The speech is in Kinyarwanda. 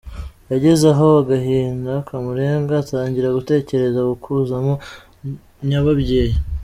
Yageze aho agahinda kamurenga atangira gutekereza gukuzamo nyababyeyi.